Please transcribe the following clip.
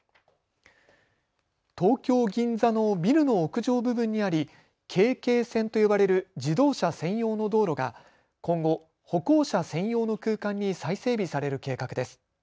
東京銀座のビルの屋上部分にありＫＫ線と呼ばれる自動車専用の道路が今後、歩行者専用の空間に再整備される計画です。